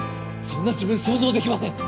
そんな自分想像できません